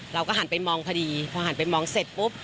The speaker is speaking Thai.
เราก็หันไปมองพอดีพอหันไปมองเสร็จปุ๊บ